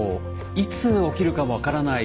いつ起きるか分からない